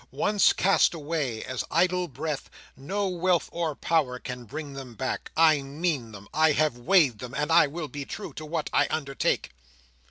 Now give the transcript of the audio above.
Once cast away as idle breath, no wealth or power can bring them back. I mean them; I have weighed them; and I will be true to what I undertake.